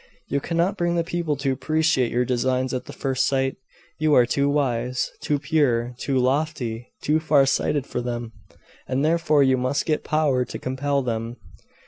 You cannot bring the people to appreciate your designs at the first sight. You are too wise, too pure, too lofty, too far sighted for them. And therefore you must get power to compel them.